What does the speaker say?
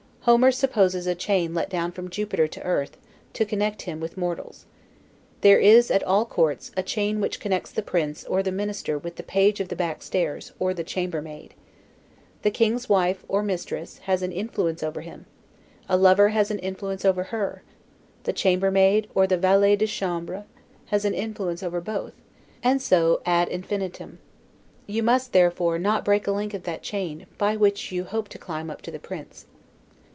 Homer supposes a chain let down from Jupiter to the earth, to connect him with mortals. There is, at all courts, a chain which connects the prince or the minister with the page of the back stairs, or the chamber maid. The king's wife, or mistress, has an influence over him; a lover has an influence over her; the chambermaid, or the valet de chambre, has an influence over both, and so ad infinitum. You must, therefore, not break a link of that chain, by which you hope to climb up to the prince.